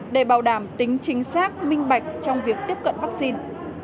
để bảo đảm tính chính xác minh bạch trong việc tiếp cận vaccine